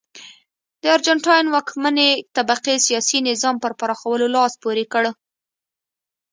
د ارجنټاین واکمنې طبقې سیاسي نظام په پراخولو لاس پورې کړ.